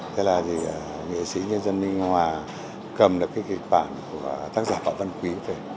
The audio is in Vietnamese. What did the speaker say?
thế là nghị sĩ nhân dân minh hoà cầm được cái kịch bản của tác giả phạm văn quý